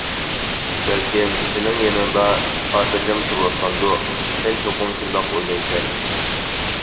بەلكىم سېنىڭ يېنىڭدا خاتىرجەم تۇرۇۋاتقاندۇ، سەن چوقۇم شۇنداق ئويلايسەن.